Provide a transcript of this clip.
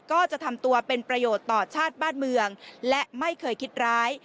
ก็จะทำตัวเป็นประโยชน์ต่อชาติบ้านเมืองและไม่เคยคิดร้าย